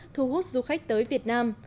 thu hút du khách tới việt nam